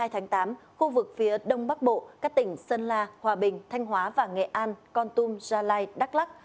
hai mươi tháng tám khu vực phía đông bắc bộ các tỉnh sơn la hòa bình thanh hóa và nghệ an con tum gia lai đắk lắc